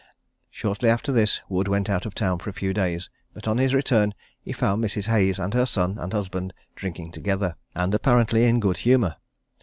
Shortly after this, Wood went out of town for a few days, but on his return he found Mrs. Hayes, and her son, and husband, drinking together, and apparently in good humour.